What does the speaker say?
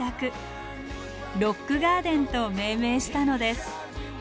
「ロックガーデン」と命名したのです。